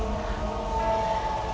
aku bisa menyamar menjadi anak tiri kamu